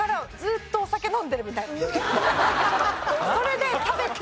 それで食べて。